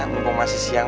mumpung masih siang